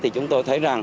chúng tôi thấy